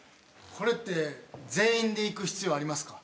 これって全員で行く必要ありますか？